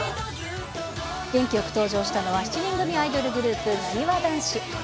元気よく登場したのは、７人組アイドルグループ、なにわ男子。